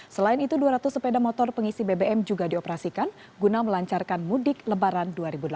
selain itu dua ratus sepeda motor pengisi bbm juga dioperasikan guna melancarkan mudik lebaran dua ribu delapan belas